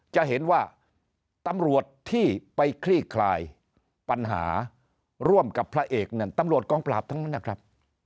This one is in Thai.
จะเห็นว่าตำรวจที่ไปคลี่คลายปัญหาร่วมกับพระเอกนั้นตำรวจกองปราบทั้งนั้นนะครับ